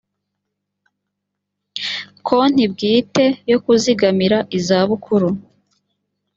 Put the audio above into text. konti bwite yo kuzigamira izabukuru